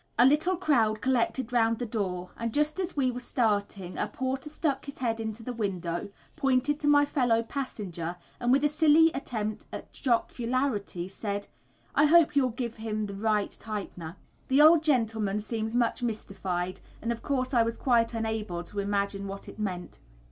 A little crowd collected round the door, and just as we were starting a porter stuck his head into the window, pointed to my fellow passenger, and with a silly attempt at jocularity said: "I hope you'll give him the right tightener." The old gentleman seemed much mystified, and of course I was quite unable to imagine what it meant.